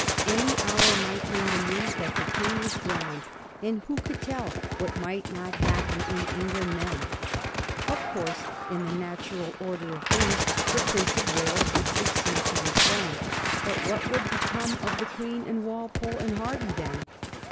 Any hour might bring the news that the King was drowned ; and who could tell what might not happen in England then? Of course in the natural order of things the Prince of Wales would succeed to the throne; and what would become of the Queen and Walpole and Hervey then?